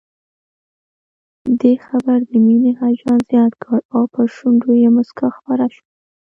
دې خبر د مينې هيجان زيات کړ او پر شونډو يې مسکا خپره شوه